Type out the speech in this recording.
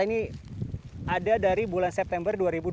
ini ada dari bulan september dua ribu dua puluh